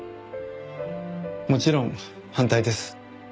もちろん反対です。